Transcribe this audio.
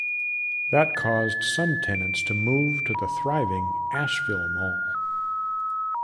That caused some tenants to move to the thriving Asheville Mall.